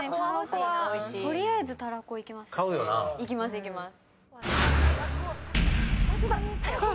いきますいきます。